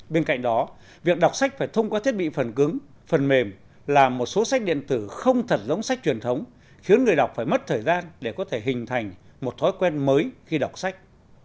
bên cạnh đó việc đọc sách phải thông qua thiết bị phần cứng phần mềm làm một số sách điện tử không thật giống sách truyền thống khiến người đọc phải mất thời gian để có thể hình thành một thói quen mới khi đọc sách